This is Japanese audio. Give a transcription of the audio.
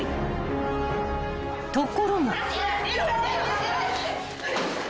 ［ところが］